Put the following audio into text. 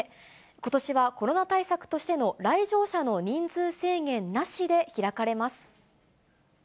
ことしはコロナ対策としての来場者の人数制限なしで開かれます。